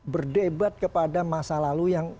berdebat kepada masa lalu yang